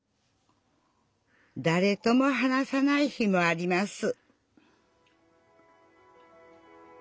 だれとも話さない日もあります